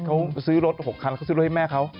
เขาซื้อรถ๖คันเขาซื้อรถให้แม่เขา